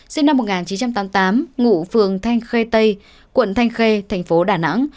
sinh năm một nghìn chín trăm tám mươi tám ngụ phường thanh khê tây quận thanh khê thành phố đà nẵng